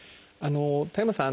田山さん